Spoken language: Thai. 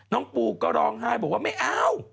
ปูก็ร้องไห้บอกว่าไม่เอา